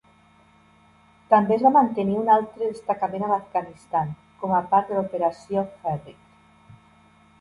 També es va mantenir un altre destacament a l'Afganistan, com a part de l'Operació Herrick.